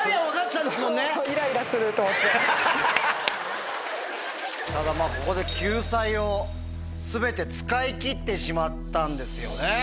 ただまぁここで救済を全て使い切ってしまったんですよね。